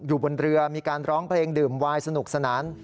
อยู่บนเรือมีการร้องเพลงดื่มวายสนุกสนาน